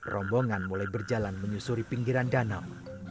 rombongan mulai berjalan menyusuri pinggiran danau